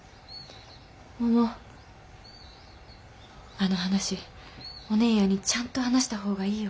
あの話お姉やんにちゃんと話した方がいいよ。